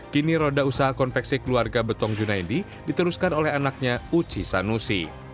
kini roda usaha konveksi keluarga betong junaindi diteruskan oleh anaknya uci sanusi